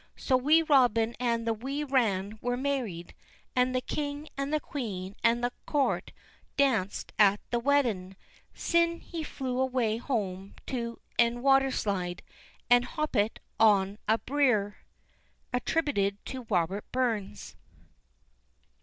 So Wee Robin and the wee wran were married, and the king, and the queen, and a' the court danced at the waddin'; syne he flew awa' home to his ain waterside, and hoppit on a brier. Attributed to ROBERT BURNS.